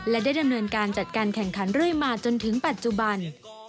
และได้ดำเนินการจัดการแข่งขันเรื่อยมาจนถึงปัจจุบัน